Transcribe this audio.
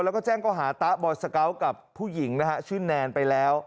แล้วก็แจ้งก็หาตะบอยสเกาะกับผู้หญิงนะฮะชื่อแนนไปแล้ว